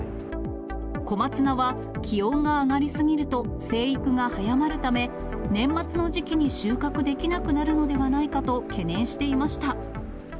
小松菜は気温が上がりすぎると、生育が早まるため、年末の時期に収穫できなくなるのではないかと懸念していました。